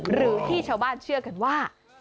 หรือที่ชาวบ้านเชื่อกันว่า